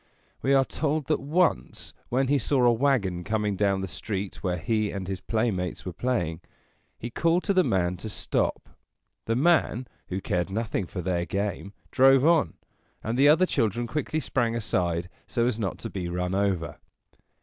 We are told that once, when he saw a wagon coming down the street where he and his playmates were playing, he called to the man to stop. The man, who cared nothing for their game, drove on, and the other children quickly sprang aside so as not to be run over.